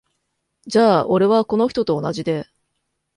じゃ俺は、この人と同じで。